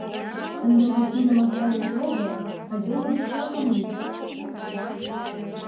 Ынде мый пире-маска деч огыл, айдеме дечат ом лӱд!